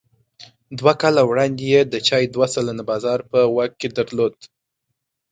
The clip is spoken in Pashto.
دوه کاله وړاندې یې د چای دوه سلنه بازار په واک کې درلود.